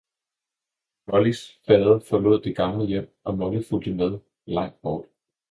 Mollys Fader forlod det gamle Hjem og Molly fulgte med, langt bort.